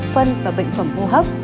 phân và bệnh phẩm hô hấp